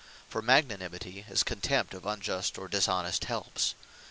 For Magnanimity is contempt of unjust, or dishonest helps.